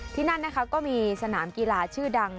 ที่นั่นนะคะก็มีสนามกีฬาชื่อดัง